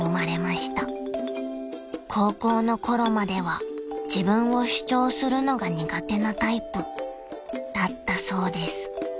［高校のころまでは自分を主張するのが苦手なタイプだったそうです］